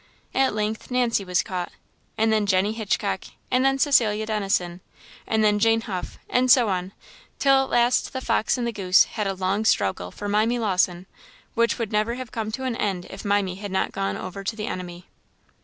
At length Nancy was caught, and then Jenny Hitchcock, and then Cecilia Dennison, and then Jane Huff, and so on, till at last the fox and the goose had a long struggle for Mimy Lawson, which would never have come to an end if Mimy had not gone over to the enemy.